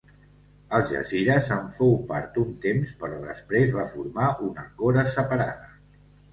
Algesires en fou part un temps però després va formar una cora separada.